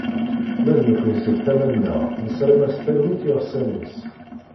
Ma d nekni seg tama-nneɣ, nessaram-as talwit i yiɣsan-is.